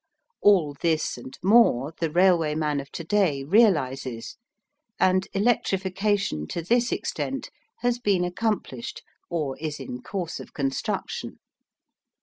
All this and more the railway man of to day realizes, and electrification to this extent has been accomplished or is in course of construction.